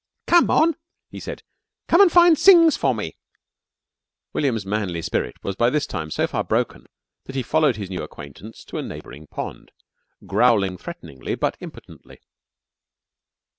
"Come on!" he said. "Come on an' find sings for me." William's manly spirit was by this time so far broken that he followed his new acquaintance to a neighbouring pond, growling threateningly but impotently.